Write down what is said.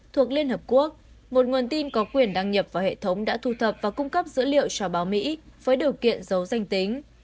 thuộc liên hợp quốc một nguồn tin có quyền đăng nhập vào hệ thống đã thu thập và cung cấp dữ liệu cho báo mỹ với điều kiện giấu danh tính